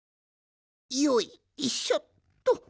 よいしょっと。